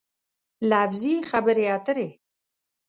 لفظي خبرې اترې